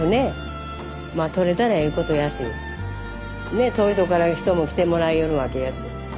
ねえ遠い所から人も来てもらいよるわけやし。